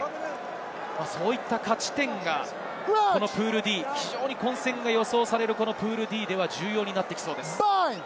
そういった勝ち点がプールＤ、混戦が予想されるプールＤでは重要になってきそうです。